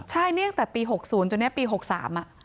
ใช่นี่ตั้งแต่ปี๖๐จนเนี่ยปี๖๓อ่ะ